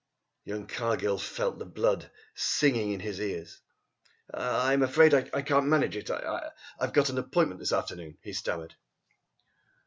Young Cargill felt the blood singing in his ears. "I'm afraid I can't manage it. I I've got an appointment this afternoon," he stammered.